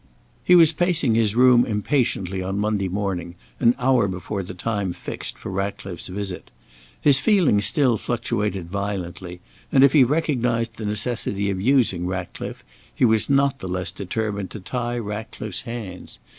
He was pacing his room impatiently on Monday morning, an hour before the time fixed for Ratcliffe's visit. His feelings still fluctuated violently, and if he recognized the necessity of using Ratcliffe, he was not the less determined to tie Ratcliffe's hands.